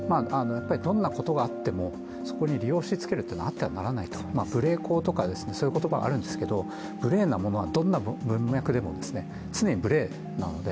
どんなことがあっても、そこに理由を押しつけるというのはあってはならないと、無礼講とかそういう言葉があるんですけど無礼なものはどんな文脈でも常に無礼なので。